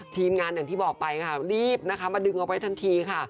ทีมงานอย่างที่บอกไปค่ะรีบนะคะมาดึงเอาไว้ทันทีค่ะ